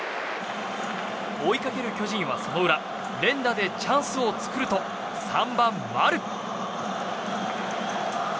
追いかける巨人はその裏連打でチャンスを作ると３番、丸。